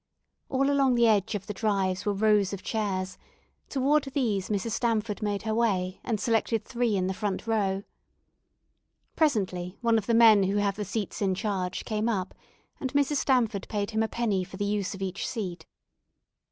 All along the edge of the drives were rows of chairs; toward these Mrs. Stamford made her way and selected three in the front row. Presently one of the men who have the seats in charge came up, and Mrs. Stamford paid him a penny for the use of each seat.